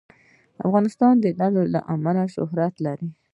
افغانستان د لعل له امله شهرت لري.